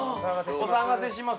お騒がせします